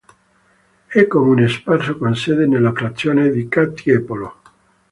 È comune sparso con sede nella frazione di Ca' Tiepolo.